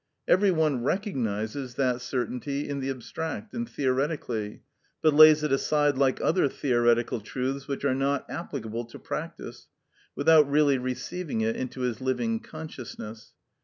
Every one recognises that certainty in the abstract and theoretically, but lays it aside like other theoretical truths which are not applicable to practice, without really receiving it into his living consciousness.